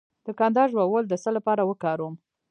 د کندر ژوول د څه لپاره وکاروم؟